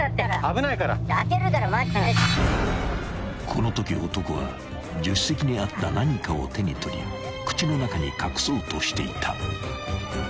［このとき男は助手席にあった何かを手に取り口の中に隠そうとしていた］